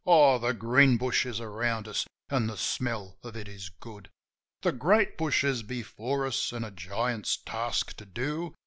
Oh, the green bush is around us, and the smell of it is good. The great bush is before us, and a giant's task to do.